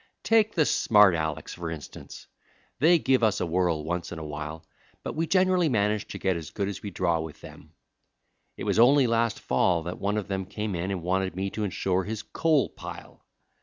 "Take the smart Alecs, for instance. They give us a whirl once in awhile, but we generally manage to get as good as a draw with them. It was only last fall that one of them came in and wanted me to insure his coal pile.